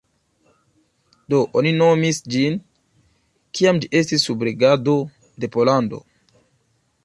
Do oni nomis ĝin, kiam ĝi estis sub regado de Pollando.